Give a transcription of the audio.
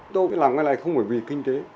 tôi cứ làm cái này không phải vì kinh tế